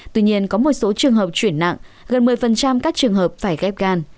tuy nhiên có một số trường hợp chuyển nặng gần một mươi các trường hợp phải ghép gan